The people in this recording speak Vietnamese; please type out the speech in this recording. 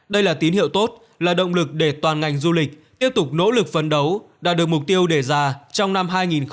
đây là tín hiệu tốt là động lực để toàn ngành du lịch tiếp tục nỗ lực phấn đấu đạt được mục tiêu đề ra trong năm hai nghìn hai mươi